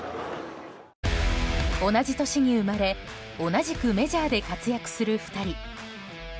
同じ年に生まれ同じくメジャーで活躍する２人。